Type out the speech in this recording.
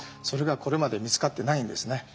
それがこれまで見つかってないんですね。